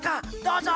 どうぞ。